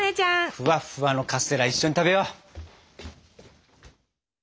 フワッフワのカステラ一緒に食べよう。